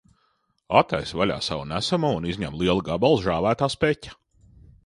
Attaisu vaļā savu nesamo un izņemu lielu gabalu žāvētā speķa.